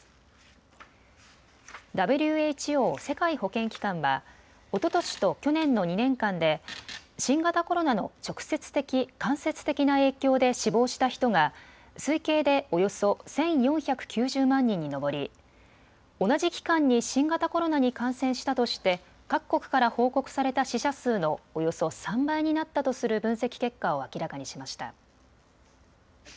ＷＨＯ・世界保健機関はおととしと去年の２年間で新型コロナの直接的、間接的な影響で死亡した人が推計でおよそ１４９０万人に上り、同じ期間に新型コロナに感染したとして各国から報告された死者数のおよそ３倍になったとする分析結果を明らかにしました。